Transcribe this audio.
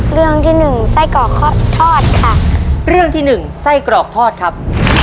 เรื่องที่หนึ่งไส้กรอกทอดค่ะเรื่องที่หนึ่งไส้กรอกทอดครับ